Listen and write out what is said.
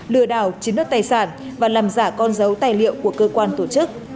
lừa đảo chiếm đất tài sản và làm giả con dấu tài liệu của cơ quan tổ chức